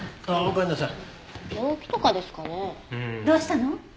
どうしたの？